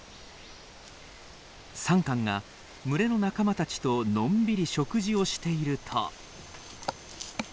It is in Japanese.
サンカンが群れの仲間たちとのんびり食事をしていると。